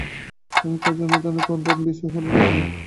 কাজেই আমাদের অনুধ্যানের প্রধান বিষয় হইল চেতনা।